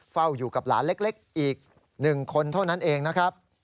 เฝ้าอยู่กับหลานเล็กอีก๑คนเท่านั้นเองนะครับ